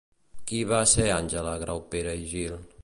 Qui va ser Àngela Graupera i Gil?